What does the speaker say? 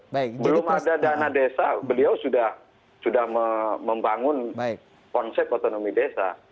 belum ada dana desa beliau sudah membangun konsep otonomi desa